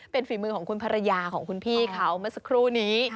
เป็นฝีมือของคุณภรรยาของคุณพี่เขาเมื่อสักครู่นี้